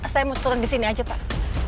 saya mau turun disini aja pak